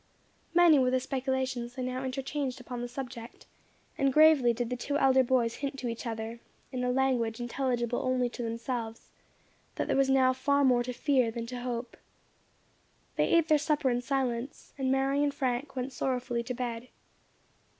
Many were the speculations they now interchanged upon the subject, and gravely did the two elder boys hint to each other, in language intelligible only to themselves, that there was now more to fear than to hope. They ate their supper in silence, and Mary and Frank went sorrowfully to bed.